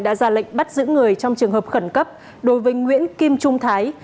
đã ra lệnh bắt giữ người trong trường hợp khẩn cấp đối với nguyễn kim trung thái